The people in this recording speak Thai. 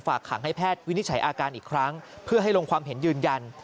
ขังให้แพทย์วินิจฉัยอาการอีกครั้งเพื่อให้ลงความเห็นยืนยัน